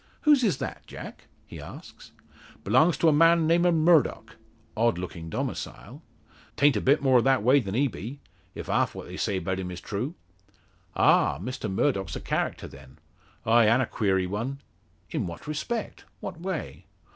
"Whose is it, Jack?" he asks. "B'longs to a man, name o' Murdock." "Odd looking domicile!" "'Ta'nt a bit more that way than he be if half what they say 'bout him be true." "Ah! Mr Murdock's a character, then?" "Ay; an' a queery one." "In what respect? what way?"